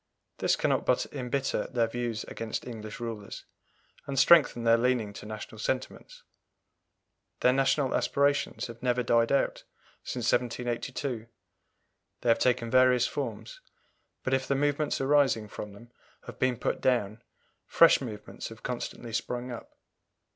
This cannot but embitter their views against English rulers, and strengthen their leaning to national sentiments. Their national aspirations have never died out since 1782. They have taken various forms; but if the movements arising from them have been put down, fresh movements have constantly sprung up.